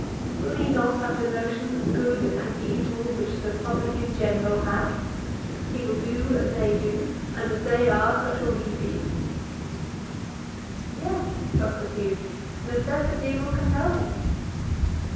Will he not have the notions of good and evil which the public in general have—he will do as they do, and as they are, such will he be? Yes, Socrates; necessity will compel him.